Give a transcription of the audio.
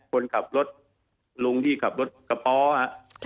คนขับรถลุงที่ขับรถกระเพาะฮะ